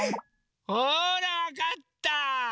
ほらわかった！